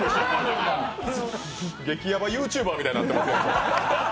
激ヤバＹｏｕＴｕｂｅｒみたいになってますよ。